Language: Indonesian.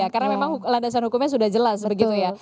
karena memang landasan hukumnya sudah jelas begitu ya